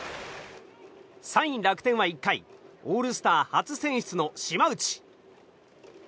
３位、楽天は１回オールスター初選出の島内。